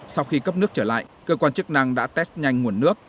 sau khi cấp nước trở lại cơ quan chức năng đã test nhanh nguồn nước